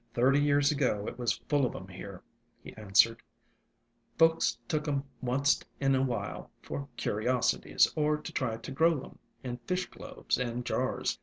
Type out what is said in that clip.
"Thirty years ago it was full of 'em here," he answered. "Folks took 'em onct in a while for curiosities, or to try to grow 'em in fish globes and ALONG THE WATERWAYS 43 jars.